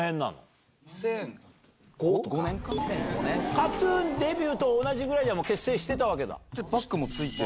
ＫＡＴ−ＴＵＮデビューと同じぐらいには結成してたわけだ。